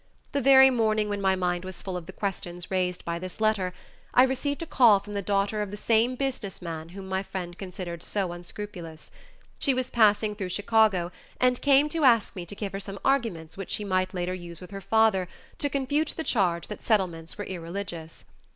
The very morning when my mind was full of the questions raised by this letter, I received a call from the daughter of the same business man whom my friend considered so unscrupulous. She was passing through Chicago and came to ask me to give her some arguments which she might later use with her father to confute the charge that Settlements were irreligious.